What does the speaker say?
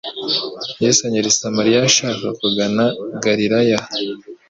Yesu anyura I Samaliya ashaka kugana I Gariraya.